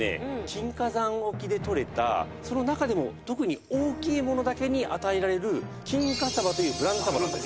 金華山沖で獲れたその中でも特に大きいものだけに与えられる金華さばというブランドさばなんです。